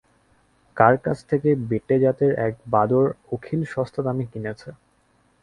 কার কাছ থেকে বেঁটে জাতের এক বাঁদর অখিল সস্তা দামে কিনেছে।